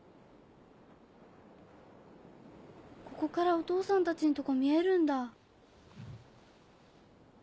ここからお父さんたちんとこ見えるんだ。